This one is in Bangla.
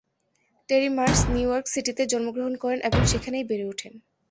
টেরি মার্কস নিউ ইয়র্ক সিটিতে জন্মগ্রহণ করেন এবং সেখানেই বেড়ে ওঠেন।